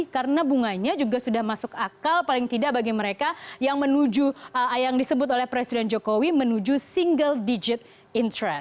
karena bunganya juga sudah masuk akal paling tidak bagi mereka yang menuju yang disebut oleh presiden jokowi menuju single digit interest